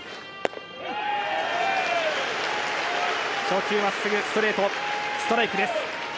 初球はストレートストライクです。